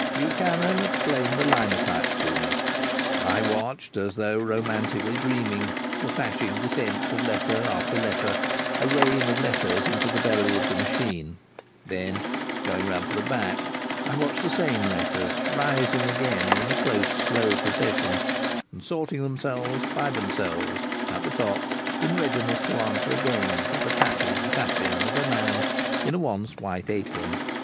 Buchanan explained the linotypes to me. I watched, as though romantically dreaming, the flashing descent of letter after letter, a rain of letters into the belly of the machine; then, going round to the back, I watched the same letters rising again in a close, slow procession, and sorting themselves by themselves at the top in readiness to answer again to the tapping, tapping of a man in a once white apron.